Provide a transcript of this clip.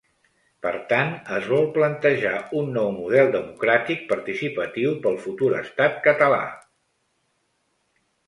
Per tant, es vol plantejar un nou model democràtic participatiu pel futur estat català?